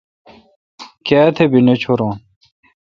کیا تہ۔ بھی نہ چھورون۔